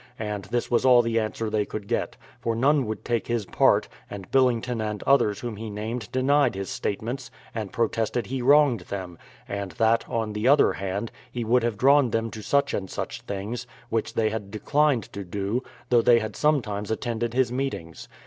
And this was all the answer they could get ; for none would take his part, and Billington and others whom he named denied his statements and protested he wronged them, and that, on the other hand, he would have drawn them to such and such things, which they had declined to do, though they had sometimes attended his meetings.